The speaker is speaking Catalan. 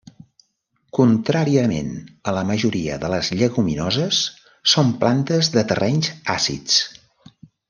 Contràriament a la majoria de les lleguminoses, són plantes de terrenys àcids.